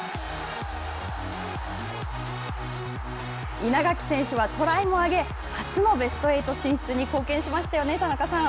稲垣選手はトライも上げ、初のベスト８進出に貢献しましたよね、田中さん。